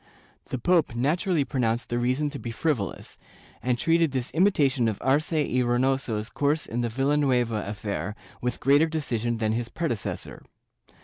The pope naturally pronounced the reason to be frivolous, and treated this imitation of Arce y Reynoso's course in the Villanueva affair with greater decision than his pre decessor.